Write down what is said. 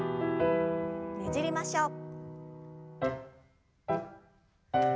ねじりましょう。